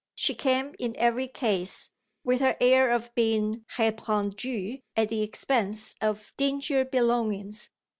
She came in every case, with her air of being répandue at the expense of dingier belongings.